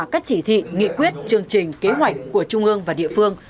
các chỉ thị nghị quyết chương trình kế hoạch của trung ương và địa phương